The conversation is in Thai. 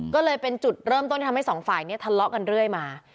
ก็เลยเป็นจุดเริ่มต้นที่ทำให้สองฝ่ายเนี่ยทะเลาะกันเรื่อยมา